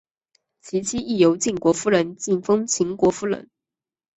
其妻亦由晋国夫人进封秦国夫人。